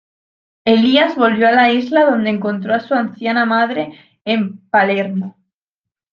Elías volvió a la isla, donde encontró a su anciana madre en Palermo.